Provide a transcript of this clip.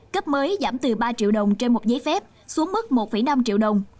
cấp mới giảm từ ba triệu đồng trên một giấy phép xuống mức một năm triệu đồng